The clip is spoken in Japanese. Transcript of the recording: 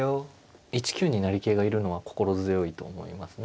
１九に成桂がいるのは心強いと思いますね。